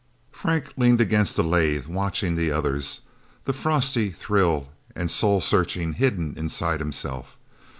Frank leaned against a lathe, watching the others, the frosty thrill and soul searching hidden inside himself.